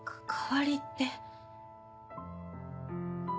関わりって。